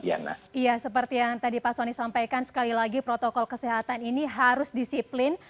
iya seperti yang tadi pak soni sampaikan sekali lagi protokol kesehatan ini harus disiplin